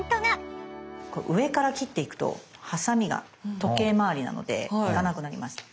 上から切っていくとハサミが時計まわりなので行かなくなります。